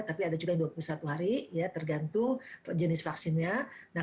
tapi ada juga yang dua puluh satu hari ya tergantung jenis vaksinnya